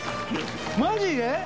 マジで！？